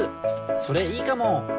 それいいかも！